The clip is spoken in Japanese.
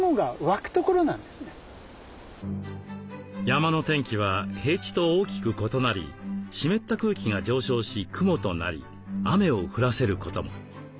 山の天気は平地と大きく異なり湿った空気が上昇し雲となり雨を降らせることも。